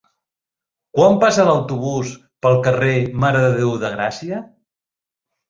Quan passa l'autobús pel carrer Mare de Déu de Gràcia?